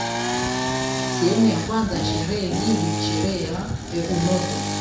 Sehemu ya kwanza ya sherehe hizi ni sherehe ya Eunoto